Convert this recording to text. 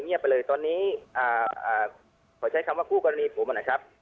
เงียบไปเลยตอนนี้อ่าอ่าขอใช้คำว่ากู้กรณีผมนะครับ